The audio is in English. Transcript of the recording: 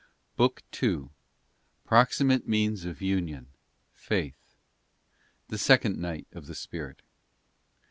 BOOK IL PROXIMATE MEANS OF UNION, FAITH. THE SECOND NIGHT . OF THE SPIRIT.